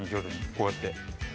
こうやって。